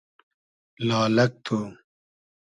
لالئگ تو